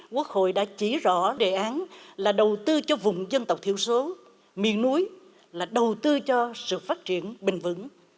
quốc hội đã chỉ rõ đề án là đầu tư cho vùng dân tộc thiểu số miền núi là đầu tư cho sự phát triển bình vững